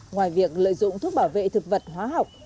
ngoài việc lợi dụng thuốc bảo vệ thực vật hóa học